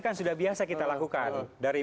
kan sudah biasa kita lakukan dari